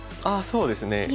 ああそうですね。